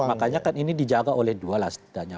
makanya kan ini dijaga oleh dua lastanya